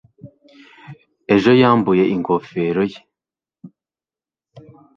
ejo yambuye ingofero ye